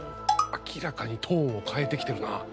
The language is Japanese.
明らかにトーンを変えてきてるな。